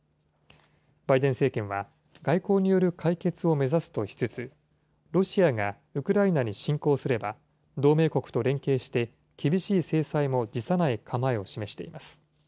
バイデン政権は、外交による解決を目指すとしつつ、ロシアがウクライナに侵攻すれば、同盟国と連携して、厳しい制裁も辞さない構えを示しています。